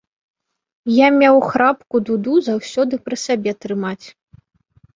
Я меў храпку дуду заўсёды пры сабе трымаць.